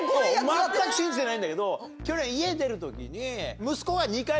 全く信じてないんだけど去年家出る時に。